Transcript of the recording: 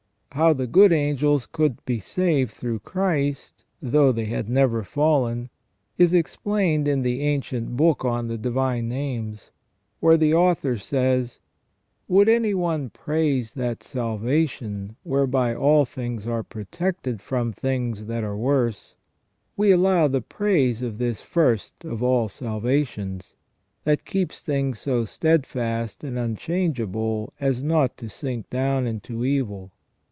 How the good angels could be saved through Christ, though they had never fallen, is explained in the ancient Book on the Divine Names, where the author says :" Would any one praise that salvation whereby all things are protected from things that are worse, we allow the praise of this first of all salvations, that keeps things so steadfast and unchangeable as not to sink down into evil.